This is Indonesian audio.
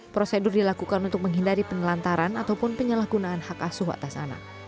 prosedur dilakukan untuk menghindari penelantaran ataupun penyalahgunaan hak asuh atas anak